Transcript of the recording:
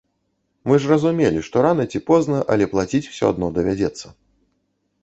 Мы ж разумелі, што рана ці позна, але плаціць усё адно давядзецца.